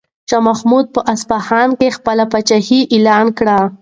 شاه محمود په اصفهان کې خپله پاچاهي اعلان کړه.